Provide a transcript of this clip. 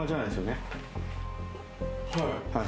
はい。